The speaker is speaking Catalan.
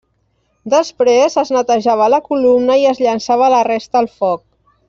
Després, es netejava la columna i es llançava la resta al foc.